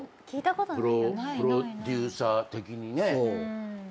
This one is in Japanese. プロデューサー的にね。